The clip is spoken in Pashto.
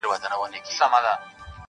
یخ یې ووتی له زړه او له بدنه -